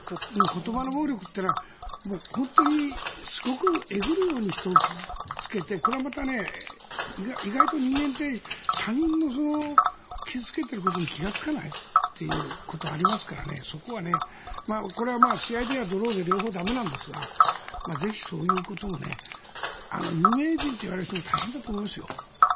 言葉の暴力というのはすごくえぐるように人を傷付けてこれはまた意外と人間って他人を傷付けてることに気がつかないということがありますからそこは、試合ではドローで両方駄目なんですがぜひ、そういうことも有名人といわれる人も大変だと思いますよ。